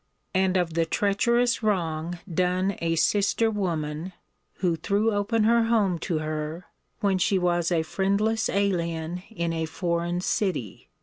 And of the treacherous wrong done a sister woman, who threw open her home to her, when she was a friendless alien in a foreign city.